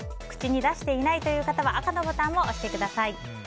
口に出していないという方は赤のボタンを押してください。